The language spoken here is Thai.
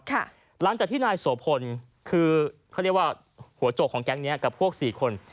หลังจากที่นายโสพลคือเขาเรียกว่าหัวโจกของแก๊งนี้กับพวกสี่คน